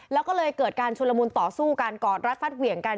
แล้วก็เลยเกิดการชุลมุนต่อสู้กันกอดรัดฟัดเหวี่ยงกัน